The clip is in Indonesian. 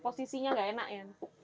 oh posisinya nggak enak ya